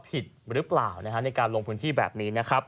ผิดหรือเปล่าในการลงพื้นที่แบบนี้นะครับ